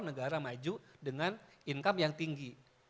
negara maju dengan income yang tinggi